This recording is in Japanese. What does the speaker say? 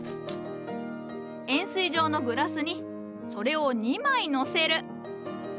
円すい状のグラスにそれを２枚載せる。